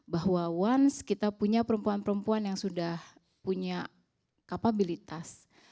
bahwa once kita punya perempuan perempuan yang sudah punya kapabilitas